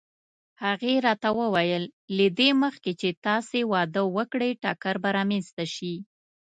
هغې راته وویل: له دې مخکې چې تاسې واده وکړئ ټکر به رامنځته شي.